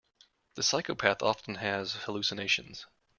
The psychopath often has hallucinations.